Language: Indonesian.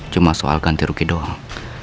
cuma soal ganti rugi doang